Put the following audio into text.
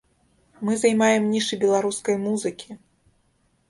Мы займаем нішы беларускай музыкі!